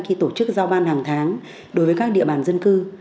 khi tổ chức giao ban hàng tháng đối với các địa bàn dân cư